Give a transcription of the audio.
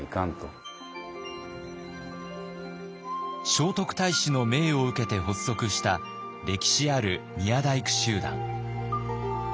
聖徳太子の命を受けて発足した歴史ある宮大工集団。